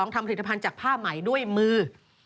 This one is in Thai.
ทำผลิตภัณฑ์จากผ้าใหม่ด้วยมือ